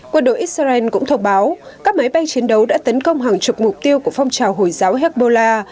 quân đội israel cũng thông báo các máy bay chiến đấu đã tấn công hàng chục mục tiêu của phong trào hồi giáo hezbollah